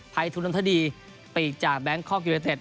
ทุนนทดีปีกจากแบงคอกยูเนเต็ด